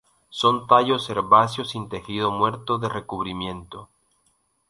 Son tallos herbáceos sin tejido muerto de recubrimiento.